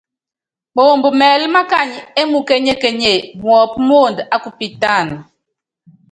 Moomb mɛɛlɛ́ mákany é mukéŋénye, muɔ́pɔ́ muond á kupitáan.